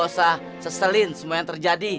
lu gak usah teselin semua yang terjadi